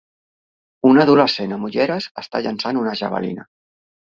Un adolescent amb ulleres està llançant una javelina.